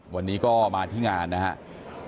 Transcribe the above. วันนี้ก็มาที่งานนะครับ